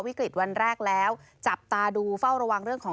วิกฤตวันแรกแล้วจับตาดูเฝ้าระวังเรื่องของ